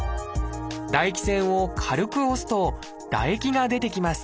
唾液腺を軽く押すと唾液が出てきます。